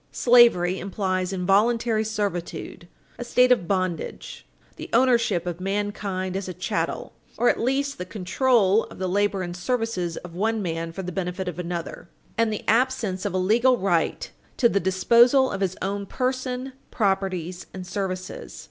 Slavery implies involuntary servitude a state of bondage; the ownership of mankind as a chattel, or at least the control of the labor and services of one man for the benefit of another, and the absence of a legal right to the disposal of his own person, property and services.